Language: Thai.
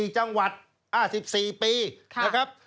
๑๔จังหวัดอ้าว๑๔ปีนะครับ